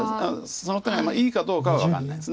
その手がいいかどうかは分かんないです。